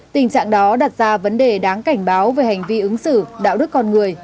tình trạng đó đặt ra vấn đề đáng cảnh báo về hành vi ứng xử đạo đức con người